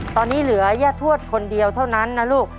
ตอนนี้เหลือย่าทวดคนเดียวเท่านั้นนะลูก